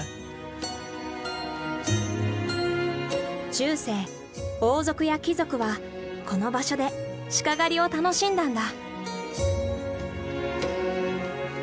中世王族や貴族はこの場所でシカ狩りを楽しんだんだ。